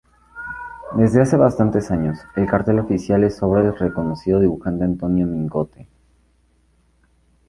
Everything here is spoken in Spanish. Desde hace bastantes años, el cartel oficial es obra del reconocido dibujante Antonio Mingote.